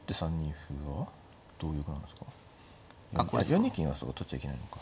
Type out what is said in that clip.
４二金はそうか取っちゃいけないのか。